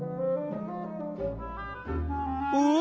お？